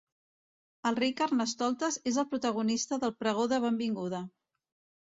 El Rei Carnestoltes és el protagonista del pregó de benvinguda.